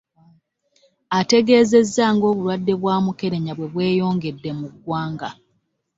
Ategeezezza ng'obulwadde bwa Mukenenya bwe bweyongedde mu ggwanga.